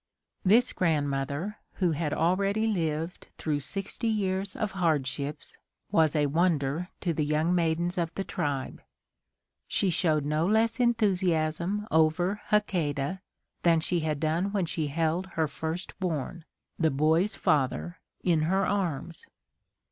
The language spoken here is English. This grandmother, who had already lived through sixty years of hardships, was a wonder to the young maidens of the tribe. She showed no less enthusiasm over Hakadah than she had done when she held her first born, the boy's father, in her arms.